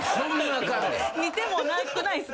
似てもなくない？